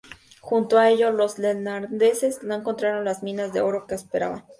Junto a ello, los neerlandeses no encontraron las minas de oro que esperaban.